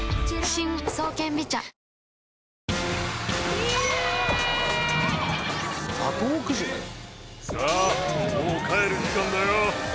ニトリさあもう帰る時間だよ。